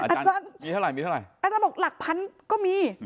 อาจารย์มีเท่าไหร่มีเท่าไหร่อาจารย์บอกหลักพันก็มี